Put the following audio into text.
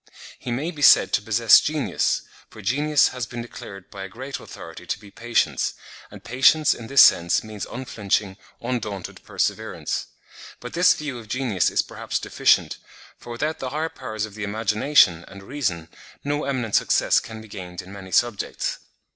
He may be said to possess genius—for genius has been declared by a great authority to be patience; and patience, in this sense, means unflinching, undaunted perseverance. But this view of genius is perhaps deficient; for without the higher powers of the imagination and reason, no eminent success can be gained in many subjects.